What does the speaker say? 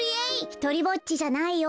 ・ひとりぼっちじゃないよ。